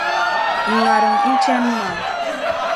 N ŋariŋ n chani maa!”.